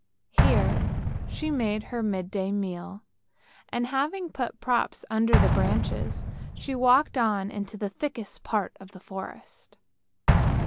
Here she made her midday meal, and, having put props under the branches, she walked on into the thickest part of the forest.